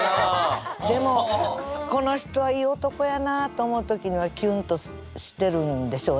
でもこの人はいい男やなと思う時にはキュンとしてるんでしょうねきっと。